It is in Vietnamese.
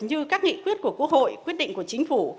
như các nghị quyết của quốc hội quyết định của chính phủ